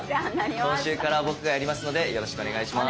今週から僕がやりますのでよろしくお願いします。